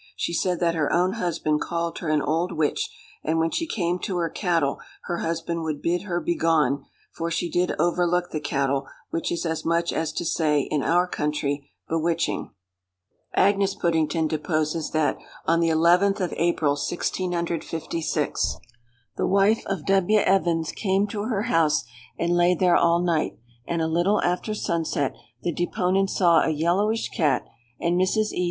She said that her own husband called her an old witch; and when she came to her cattle, her husband would bid her begone, for she did overlook the cattle; which is as much as to say, in our country, bewitching. "Agnes Puddington deposes, that, on the 11th of April, 1656, the wife of W. Evens came to her house, and lay there all night; and a little after sun set, the deponent saw a yellowish cat; and Mrs. E.